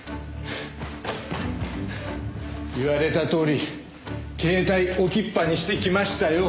言われたとおり携帯置きっぱにしてきましたよ。